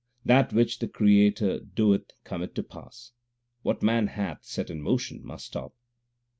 That which the Creator doeth cometh to pass ; what man hath set in motion must stop.